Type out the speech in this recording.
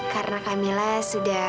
karena kamila sudah